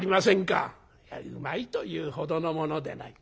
「うまいというほどのものでない。